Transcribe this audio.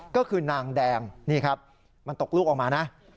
ก็คือนางแดงนี่ครับมันตกลูกออกมานะ